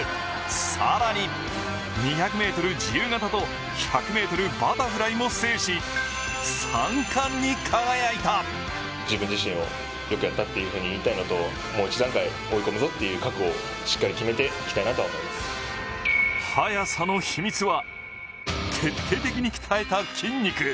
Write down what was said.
更に、２００ｍ自由形と１００ｍバタフライも制し３冠に輝いた速さの秘密は徹底的に鍛えた筋肉。